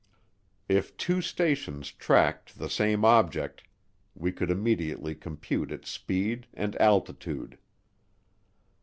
If two stations tracked the same object, we could immediately compute its speed and altitude.